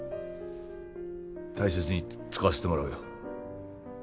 大切に使わせてもらうよ